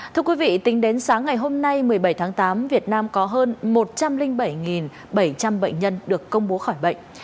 thưa quý vị tính đến sáng ngày hôm nay một mươi bảy tháng tám việt nam có hơn một trăm linh bảy bảy trăm linh bệnh nhân được công bố khỏi bệnh